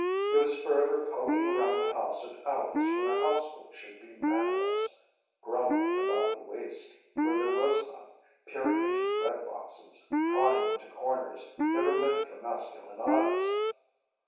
He was forever poking around the house at hours when a household should be manless, grumbling about the waste where there was none, peering into bread boxes, prying into corners never meant for masculine eyes.